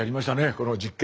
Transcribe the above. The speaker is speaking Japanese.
この実験。